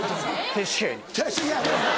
確かに。